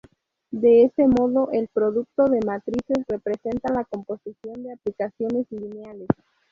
De ese modo el producto de matrices, representa la composición de aplicaciones lineales.